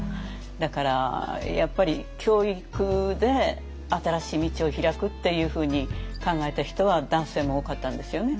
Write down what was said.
だからやっぱり教育で新しい道をひらくっていうふうに考えた人は男性も多かったんですよね。